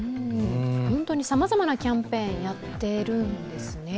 本当にさまざまなキャンペーンやってるんですね。